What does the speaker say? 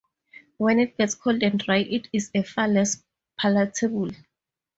When it gets cold and dry it is far less palatable.